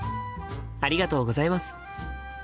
ありがとうございます。